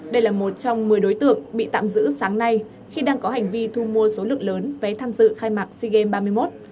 đây là một trong một mươi đối tượng bị tạm giữ sáng nay khi đang có hành vi thu mua số lượng lớn vé tham dự khai mạc sea games ba mươi một